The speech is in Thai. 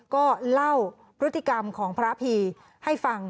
ก็เล่าพฤติกรรมของพระพีให้ฟัง